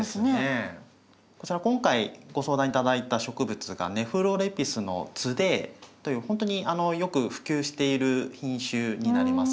今回ご相談頂いた植物がネフロレピスのツデーというほんとによく普及している品種になります。